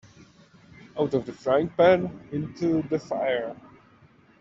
Out of the frying-pan into the fire.